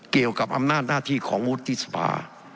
เกี่ยวกับอำนาจหน้าที่ของมุทธศาสตร์